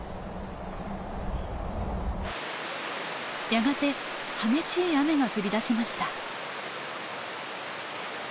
やがて激しい雨が降りだしました。